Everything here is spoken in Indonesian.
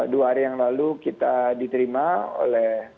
dua hari yang lalu kita diterima oleh